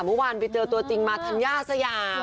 เมื่อวานไปเจอตัวจริงมาธัญญาสยาม